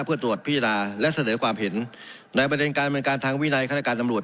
เพื่อตรวจพิจารณาและเสนอความเห็นในประเด็นการเมืองการทางวินัยคณะการตำรวจ